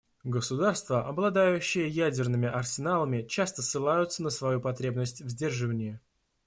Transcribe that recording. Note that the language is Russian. Государства, обладающие ядерными арсеналами, часто ссылаются на свою потребность в сдерживании.